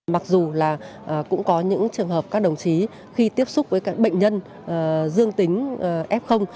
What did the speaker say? mặc dù là cũng có những trường hợp các đồng chí khi tiếp xúc với các bệnh nhân dương tính f